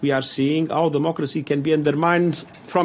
kita melihat bagaimana demokrasi bisa dihentikan dari dalam